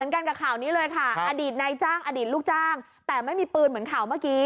เหมือนกันกับข่าวนี้เลยค่ะอดีตในจังอดีตลูกจ้าง